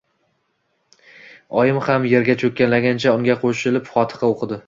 Oyim ham yerga cho‘kkalagancha unga qo‘shilib fotiha o‘qidi.